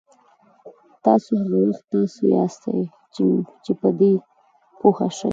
تاسو هغه وخت تاسو یاستئ چې په دې پوه شئ.